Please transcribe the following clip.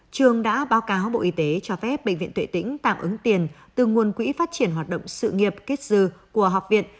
trường đã báo cáo bộ y tế cho phép bệnh viện tuệ tĩnh tạm ứng tiền từ nguồn quỹ phát triển hoạt động sự nghiệp kết dư của học viện